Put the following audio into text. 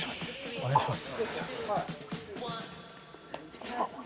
お願いします。